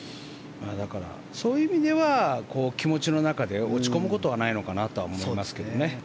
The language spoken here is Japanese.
そういう意味では気持ちの中で落ち込むことはないのかなと思いますね。